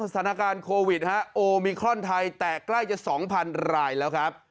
สถานการณ์โควิดโอมิครอนไทยแตกใกล้จะ๒๐๐๐รายแล้วครับ